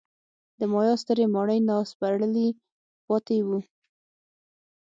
د مایا سترې ماڼۍ ناسپړلي پاتې وو.